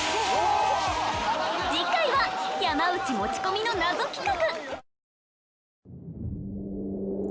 次回は山内持ち込みの謎企画